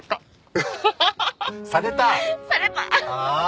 ああ！